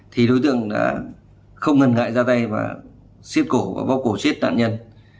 thì đối tượng đã không ngần ngại ra tay và siết cổ và vóc cổ chết đàn nhân